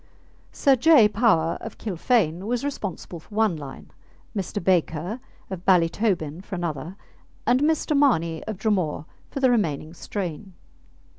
Sir J. Power, of Kilfane, was responsible for one line, Mr. Baker, of Ballytobin, for another, and Mr. Mahoney, of Dromore, for the remaining strain.